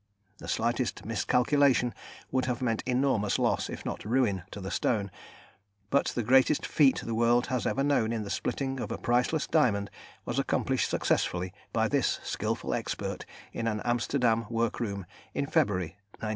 The slightest miscalculation would have meant enormous loss, if not ruin, to the stone, but the greatest feat the world has ever known in the splitting of a priceless diamond was accomplished successfully by this skilful expert in an Amsterdam workroom in February, 1908.